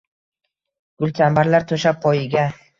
Gulchambarlar toʼshab poyiga